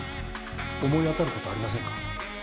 思い当たる事ありませんか？